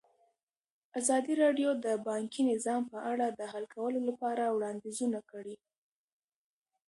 ازادي راډیو د بانکي نظام په اړه د حل کولو لپاره وړاندیزونه کړي.